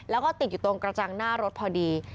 แล้วก็ติดอยู่ตรงกระจังหน้ารถพอดี